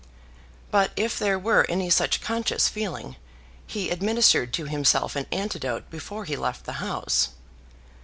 But if there were any such conscious feeling, he administered to himself an antidote before he left the house.